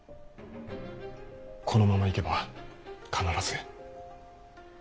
このままいけば必ず。